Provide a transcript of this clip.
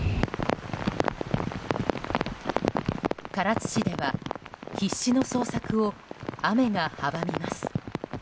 唐津市では必死の捜索を雨が阻みます。